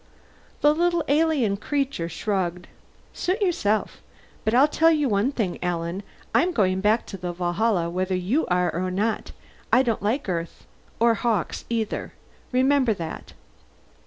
The little alien creature shrugged. "Suit yourself. But I'll tell you one thing, Alan: I'm going back to the Valhalla, whether you are or not. I don't like Earth, or Hawkes either. Remember that."